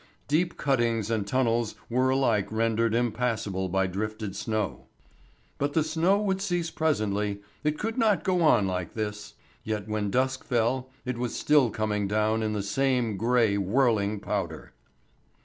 Deep cuttings and tunnels were alike rendered impassable by drifted snow. But the snow would cease presently; it could not go on like this. Yet when dusk fell it was still coming down in the same grey whirling powder.